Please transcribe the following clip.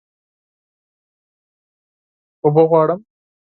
اوبه غواړم